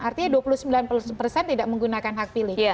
artinya dua puluh sembilan persen tidak menggunakan hak pilih